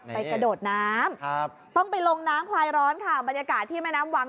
กระโดดน้ำต้องไปลงน้ำคลายร้อนค่ะบรรยากาศที่แม่น้ำวัง